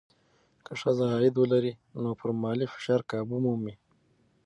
که ښځه عاید ولري، نو پر مالي فشار قابو مومي.